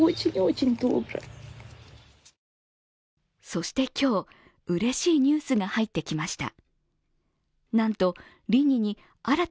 そして今日、うれしいニュースが入ってきました。